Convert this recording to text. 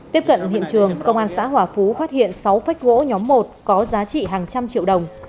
tiếp cận hiện trường công an xã hòa phú phát hiện sáu phách gỗ nhóm một có giá trị hàng trăm triệu đồng